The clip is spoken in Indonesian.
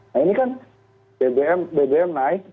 nah ini kan bbm naik